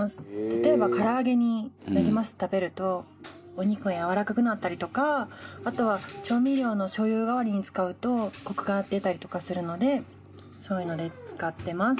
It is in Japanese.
例えば唐揚げになじませて食べるとお肉がやわらかくなったりとかあとは調味料のしょう油代わりに使うとコクが出たりとかするのでそういうので使ってます。